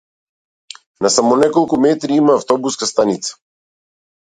На само неколку метри има автобуска станица.